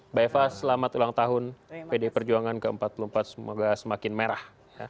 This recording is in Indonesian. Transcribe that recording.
mbak eva selamat ulang tahun pd perjuangan ke empat puluh empat semoga semakin merah